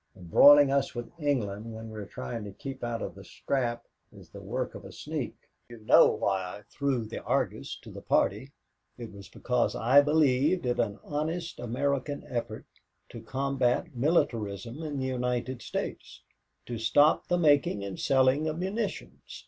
Embroiling us with England when we're trying to keep out of the scrap is the work of a sneak. You know why I threw the Argus to the party. It was because I believed it an honest American effort to combat militarism in the United States, to stop the making and selling of munitions.